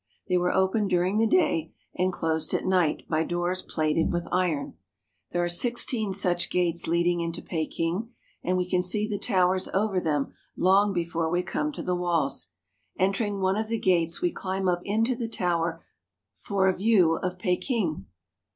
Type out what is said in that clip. They were open during the day and closed at night by doors plated with iron. There are sixteen such gates leading into Peking, and we can see the towers over them long before we come to the walls. Entering one of the gates, we climb up into the tower for a view of Peking.